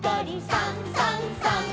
「さんさんさん」